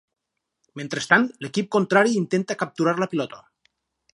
Mentrestant l'equip contrari intenta capturar la pilota.